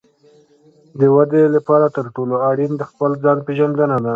د ودې لپاره تر ټولو اړین د خپل ځان پېژندنه ده.